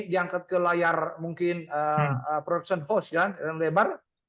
diangkat ke layar mungkin production house kan lebar